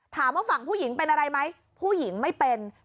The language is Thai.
ถามว่าฝั่งผู้หญิงเป็นอะไรไหมผู้หญิงไม่เป็น